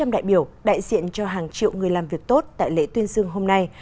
một trăm linh đại biểu đại diện cho hàng triệu người làm việc tốt tại lễ tuyên dương hôm nay